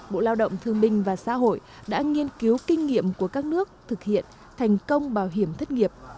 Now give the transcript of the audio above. bộ lao động thương binh và xã hội đã nghiên cứu kinh nghiệm của các nước thực hiện thành công bảo hiểm thất nghiệp